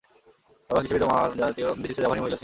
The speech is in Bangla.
বাবা কৃষিবিদ ও মা বিশিষ্ট জাভানীয় মহিলা ছিলেন।